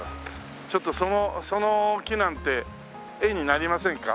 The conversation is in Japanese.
ちょっとその木なんて絵になりませんか？